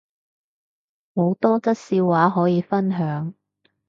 好多則笑話可以分享